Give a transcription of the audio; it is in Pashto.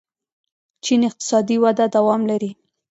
چین اقتصادي وده دوام لري.